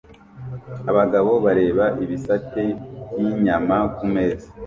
Abagabo bareba ibisate by'inyama kumeza